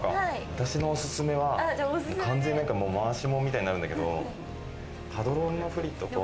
私のおすすめは完全に回し者みたいになるんだけど、パドロンのフリットと。